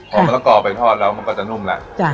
พอมะละกอไปทอดแล้วมันก็จะนุ่มแล้ว